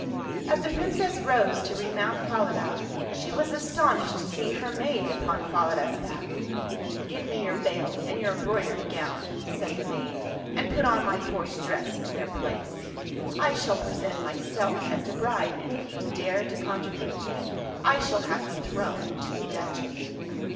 As the Princess rose to remount Falada, she was astonished to see her maid upon [ 127 ] FAVORITE FAIRY TALES RETOLD Falada's back. " Give me your veil, and your embroidered gown," said the maid, " and put on my coarse dress in their place. I shall present myself as the bride, and if you dare to contradict me, I shall have you thrown into a dungeon."